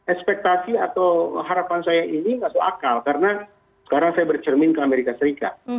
ekspektasi atau harapan saya ini tidak soal akal karena sekarang saya bercermin ke amerika serikat